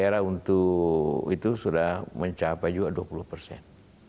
era untuk itu sudah mencapai juga dua puluh persen